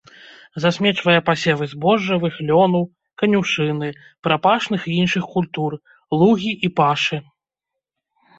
Засмечвае пасевы збожжавых, лёну, канюшыны, прапашных і іншых культур, лугі і пашы.